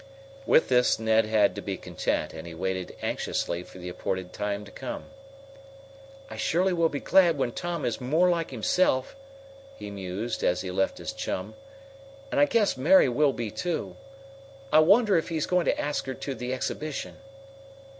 With this Ned had to be content, and he waited anxiously for the appointed time to come. "I surely will be glad when Tom is more like himself," he mused, as he left his chum. "And I guess Mary will be, too. I wonder if he's going to ask her to the exhibition?"